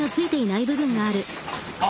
あ。